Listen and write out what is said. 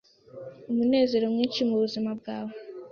umunezero mwinshi mubuzima bwawe